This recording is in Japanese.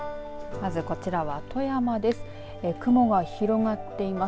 まず、こちらは富山です。